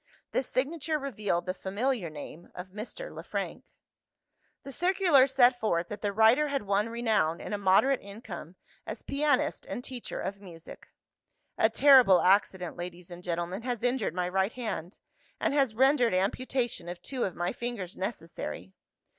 The signature revealed the familiar name of Mr. Le Frank. The circular set forth that the writer had won renown and a moderate income, as pianist and teacher of music. "A terrible accident, ladies and gentlemen, has injured my right hand, and has rendered amputation of two of my fingers necessary.